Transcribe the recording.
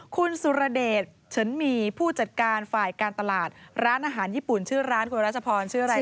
คุณสุรเดชเฉินหมี่ผู้จัดการฝ่ายการตลาดร้านอาหารญี่ปุ่นชื่อร้านคุณรัชพรชื่ออะไร